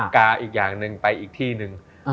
กาอีกอย่างหนึ่งไปอีกที่หนึ่ง